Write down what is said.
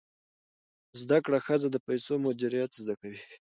زده کړه ښځه د پیسو مدیریت زده کوي.